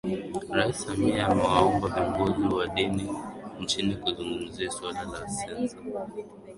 Rais Samia amewaomba viongozi wa dini nchini kuzungumzia suala la Sensa